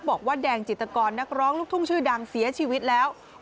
บอกว่าแดงจิตกรนักร้องลูกทุ่งชื่อดังเสียชีวิตแล้ว